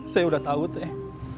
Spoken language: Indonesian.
saya udah tau teh